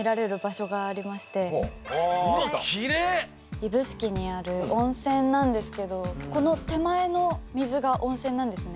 指宿にある温泉なんですけどこの手前の水が温泉なんですね。